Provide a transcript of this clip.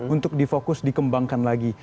untuk di fokus dikembangkan lagi